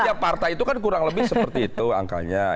setiap partai itu kan kurang lebih seperti itu angkanya